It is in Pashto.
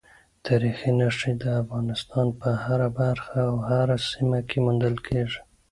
تاریخي نښې د افغانستان په هره برخه او هره سیمه کې موندل کېږي.